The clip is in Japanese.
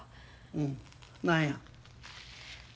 うん何や？